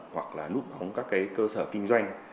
hoặc là núp bóng các cơ sở kinh doanh